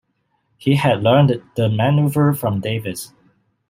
He had learned the maneuver from Davis.